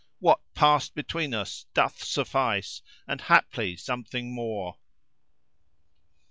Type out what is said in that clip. * What past between us doth suffice and haply something more."